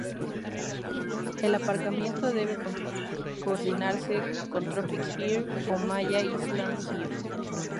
El Aparcamiento debe coordinarse con Tropic Air o Maya Island Air.